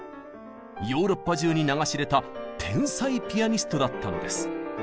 ヨーロッパ中に名が知れた天才ピアニストだったのです。